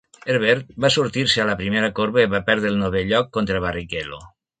Herbert va sortir-se a la primera corba i va perdre el novè lloc contra Barrichello.